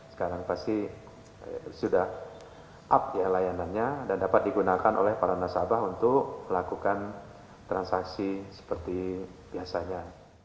sekarang pasti sudah up ya layanannya dan dapat digunakan oleh para nasabah untuk melakukan transaksi seperti biasanya